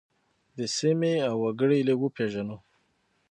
دې سیمې او وګړي یې لږ وپیژنو.